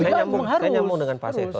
saya nyambung dengan pak seto